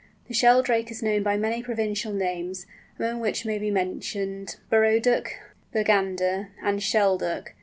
The Sheldrake is known by many provincial names, among which may be mentioned "Burrow Duck," "Bergander," and "Shell duck."